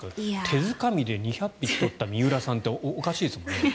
手づかみで２００匹取った三浦さんっておかしいですよね。